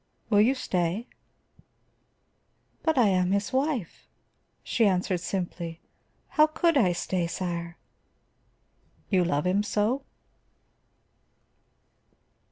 Will you stay?" "But I am his wife," she answered simply. "How could I stay, sire?" "You love him so?"